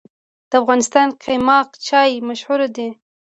د افغانستان قیماق چای مشهور دی